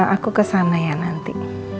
aku kesana ya nanti